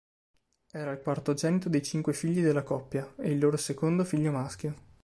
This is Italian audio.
Era il quartogenito dei cinque figli della coppia, ed il loro secondo figlio maschio.